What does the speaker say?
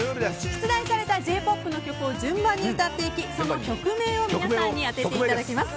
出題されたＪ‐ＰＯＰの曲を順番に歌っていただきその曲名を皆さんに当てていただきます。